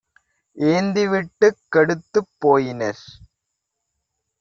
ஏந்தி வீட்டுக் கெடுத்துப் போயினர்.